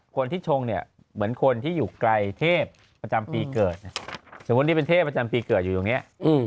คนที่ชงเนี่ยเหมือนคนที่อยู่ไกลเทพประจำปีเกิดสมมุติที่เป็นเทพประจำปีเกิดอยู่ตรงนี้